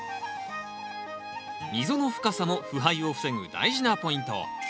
溝の深さも腐敗を防ぐ大事なポイント。